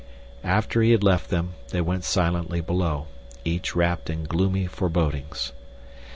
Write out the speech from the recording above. After he had left them they went silently below, each wrapped in gloomy forebodings.